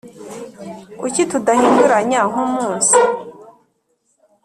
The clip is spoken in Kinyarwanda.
Kuki tudahinduranya nk’umunsi